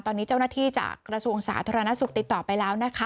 ตอนนี้เจ้าหน้าที่จากกระทรวงสาธารณสุขติดต่อไปแล้วนะคะ